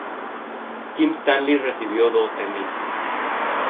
Kim Stanley recibió dos Emmy.